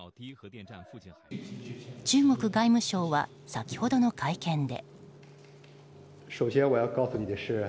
中国外務省は先ほどの会見で。